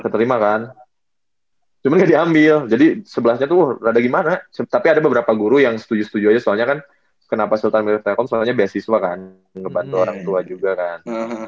keterima kan cuman gak diambil jadi sebelas nya tuh rada gimana tapi ada beberapa guru yang setuju setuju aja soalnya kan kenapa sultan milik tkom soalnya beasiswa kan ngebantu orang tua juga kan